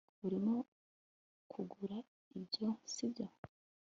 urimo kugura ibyo, sibyo